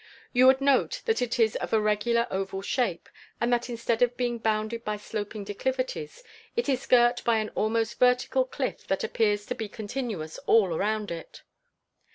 You would note that it is of a regular oval shape; and that instead of being bounded by sloping declivities, it is girt by an almost vertical cliff that appears to be continuous all around it.